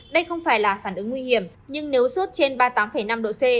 đây không phải là phản ứng nguy hiểm nhưng nếu sốt trên ba mươi tám năm độ c